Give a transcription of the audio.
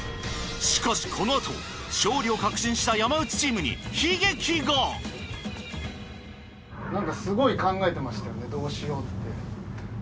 しかしこのあと勝利を確信したなんかすごい考えてましたよねどうしようって。